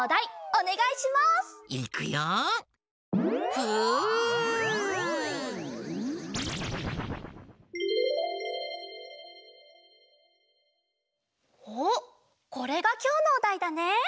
おっこれがきょうのおだいだね！